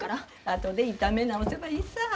後で炒め直せばいいさぁ。